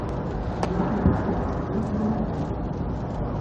Улада баіцца сваіх грамадзян!